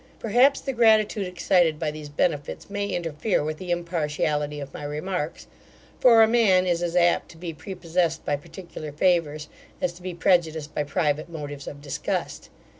Perhaps, the gratitude excited by these benefits may interfere with the impartiality of my remarks; for a man is as apt to be prepossessed by particular favours as to be prejudiced by private motives of disgust.